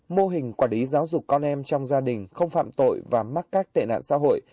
mô hình quản lý giáo dục con em trong gia đình không phạm tội và mắc các tệ nạn xã hội